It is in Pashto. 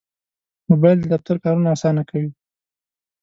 موبایل د دفتر کارونه اسانه کوي.